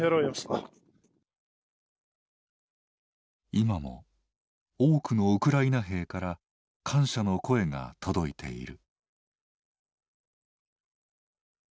今も多くのウクライナ兵から感謝の声が届いている。